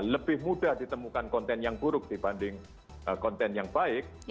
lebih mudah ditemukan konten yang buruk dibanding konten yang baik